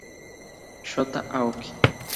Shota Aoki